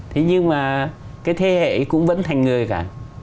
thế nhưng mà cái thế hệ cũng vẫn thành người cả